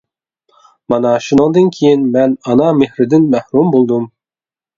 مانا شۇنىڭدىن كېيىن مەن ئانا مېھرىدىن مەھرۇم بولدۇم.